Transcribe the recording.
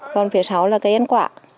còn phía sau là cây ăn quả